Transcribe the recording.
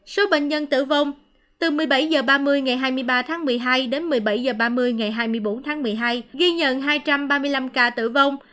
số bệnh nhân tử vong từ một mươi bảy h ba mươi ngày hai mươi ba tháng một mươi hai đến một mươi bảy h ba mươi ngày hai mươi bốn tháng một mươi hai ghi nhận hai trăm ba mươi năm ca tử vong